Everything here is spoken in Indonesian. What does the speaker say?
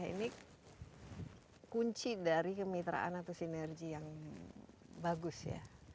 ini kunci dari kemitraan atau sinergi yang bagus ya